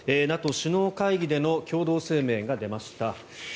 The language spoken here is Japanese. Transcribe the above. ＮＡＴＯ首脳会議での共同声明が出ました。